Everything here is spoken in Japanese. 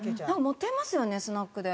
モテますよねスナックで。